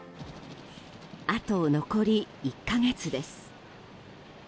あと残り１か月です。